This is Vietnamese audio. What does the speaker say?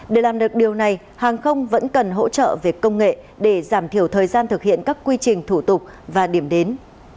để làm được điều này hàng không vẫn cần hỗ trợ về công nghệ để giảm thiểu thời gian thực hiện các quy trình thủ tục và điểm đến